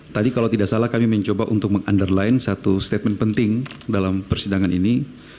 tadi kalau tidak salah kami mencoba untuk meng underline satu statement penting dalam persidangan ini